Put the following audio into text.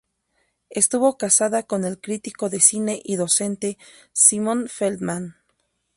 Estuvo casada con el critico de cine y docente Simón Feldman.